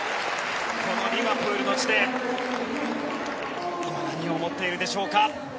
リバプールの地で今、何を思っているでしょうか。